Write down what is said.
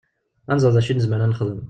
Ad nẓer d acu i nezmer ad nexdem.